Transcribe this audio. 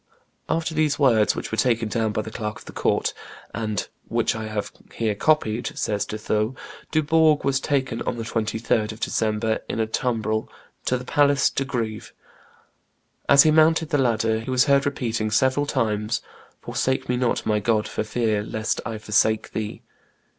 After these words, which were taken down by the clerk of the court, "and which I have here copied," says De Thou, Dubourg was taken on the 23d of December, in a tumbrel to the Place de Greve. As he mounted the ladder he was heard repeating several times, "Forsake me not, my God, for fear lest I forsake thee."